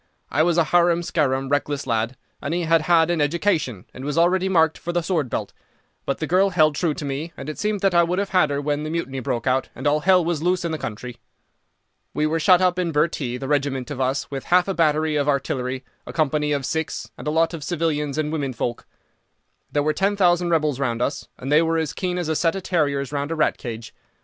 I was a harum scarum, reckless lad, and he had had an education, and was already marked for the sword belt. But the girl held true to me, and it seemed that I would have had her when the Mutiny broke out, and all hell was loose in the country. "We were shut up in Bhurtee, the regiment of us with half a battery of artillery, a company of Sikhs, and a lot of civilians and women folk. There were ten thousand rebels round us, and they were as keen as a set of terriers round a rat cage.